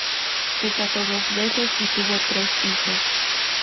Se casó dos veces y tuvo tres hijos.